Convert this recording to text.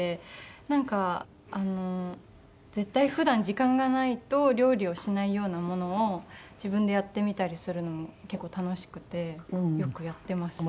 なんか絶対普段時間がないと料理をしないようなものを自分でやってみたりするのも結構楽しくてよくやっていますね。